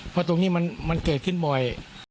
เพราะตรงนี้มันเกิดขึ้นบ่อย